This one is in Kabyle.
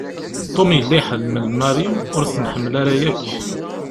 Tom yella iḥemmel Marie ur t-nḥemmel ara yakk.